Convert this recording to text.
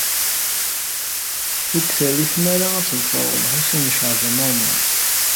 Ur k-terri tmara ad tḍefreḍ Lḥusin n Caɛban u Ṛemḍan.